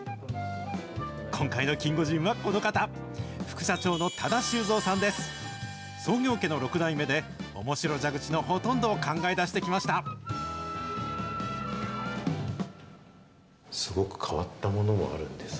今回のキンゴジンはこの方、副社長の多田修三さんです。